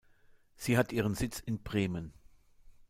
Sie hat ihren Sitz in Bremen.